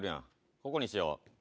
ここにしよ。